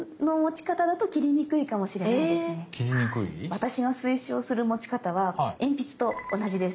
私が推奨する持ち方は鉛筆と同じです。